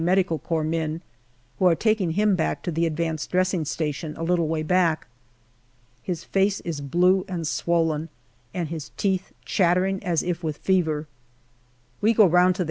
M.C. men, who are taking him to the advanced dressing station, a little way back. His face is blue and swollen, and his teeth chattering as if with fever. We go round to the H.